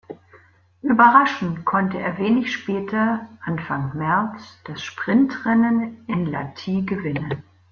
Überraschend konnte er wenig später Anfang März das Sprintrennen in Lahti gewinnen.